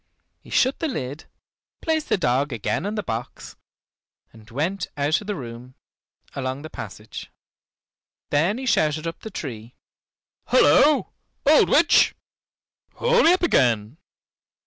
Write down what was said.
He shut the lid, placed the dog again on the box, and went out of the room, along the passage. Then he shouted up the tree, "Halloo, old witch! haul me up again."